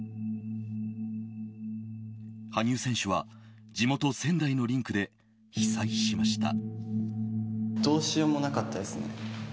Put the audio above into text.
羽生選手は地元・仙台のリンクで被災しました。